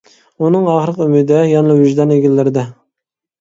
ئۇنىڭ ئاخىرقى ئۈمىدى يەنىلا ۋىجدان ئىگىلىرىدە.